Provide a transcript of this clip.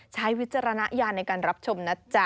ใช้วิจารณายาในการรับชมนะจ๊ะ